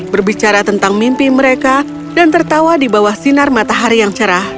berbicara tentang mimpi mereka dan tertawa di bawah sinar matahari yang cerah